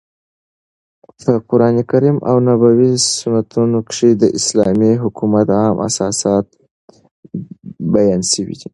په قرانکریم او نبوي سنتو کښي د اسلامي حکومت عام اساسات بیان سوي دي.